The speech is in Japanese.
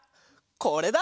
これだ！